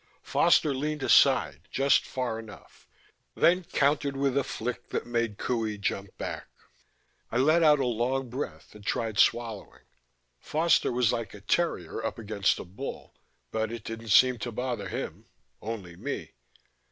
Foster leaned aside, just far enough, then countered with a flick that made Qohey jump back. I let out a long breath and tried swallowing. Foster was like a terrier up against a bull, but it didn't seem to bother him only me.